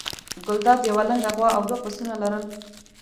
ګلداد یوه لنګه غوا او دوه پسونه لرل.